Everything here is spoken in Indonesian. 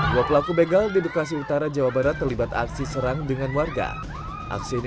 dua pelaku begal di bekasi utara jawa barat terlibat aksi serang dengan warga aksi ini